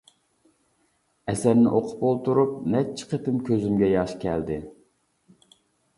ئەسەرنى ئوقۇپ ئولتۇرۇپ نەچچە قېتىم كۆزۈمگە ياش كەلدى.